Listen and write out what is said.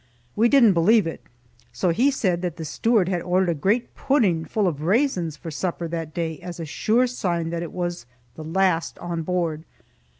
We didn't believe it, so he said that the steward had ordered a great pudding full of raisins for supper that day as a sure sign that it was the last on board.